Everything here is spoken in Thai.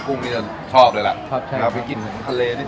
กุ้งต่อมาชอบเลยแหละครับเสียวไปกินทันคาลเลดนิด